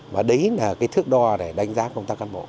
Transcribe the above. và đấy là cái thước đo để đánh giá công tác cán bộ